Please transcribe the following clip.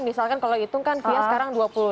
misalkan kalau hitung kan fia sekarang dua puluh enam